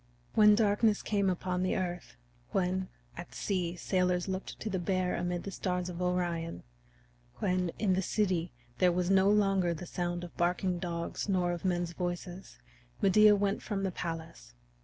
When darkness came upon the earth; when, at sea, sailors looked to the Bear arid the stars of Orion; when, in the city, there was no longer the sound of barking dogs nor of men's voices, Medea went from the palace.